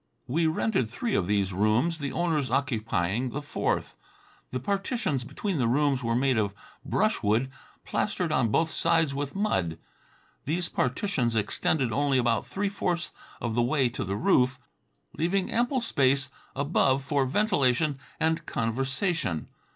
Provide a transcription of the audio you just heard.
We rented three of these rooms, the owners occupying the fourth. The partitions between the rooms were made of brushwood, plastered on both sides with mud. These partitions extended only about three fourths of the way to the roof, leaving ample space above for ventilation and conversation.